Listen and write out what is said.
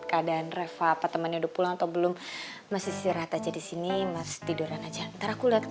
keadaan reva temannya pulang atau belum masih rata jadi sini masih tiduran aja ntar aku lihat